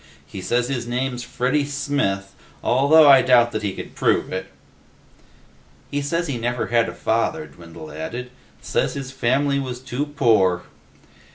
He says his name's Freddy Smith, although I doubt that he could prove it." "He says he never had a father," Dwindle added. "Says his family was too poor."